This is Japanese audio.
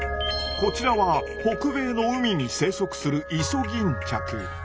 こちらは北米の海に生息するイソギンチャク。